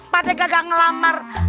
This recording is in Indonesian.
padahal kagak ngelamar